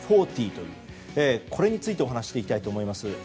これについてお話ししていきたいと思います。